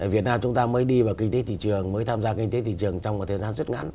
việt nam chúng ta mới đi vào kinh tế thị trường mới tham gia kinh tế thị trường trong một thời gian rất ngắn